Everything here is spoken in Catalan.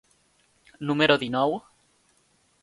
número dinou?